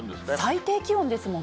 最低気温ですもんね。